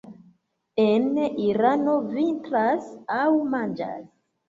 En Irano vintras aŭ manĝas.